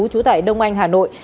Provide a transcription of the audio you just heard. chú tại đông anh hà nội